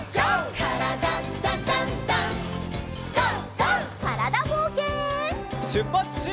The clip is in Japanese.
からだぼうけん。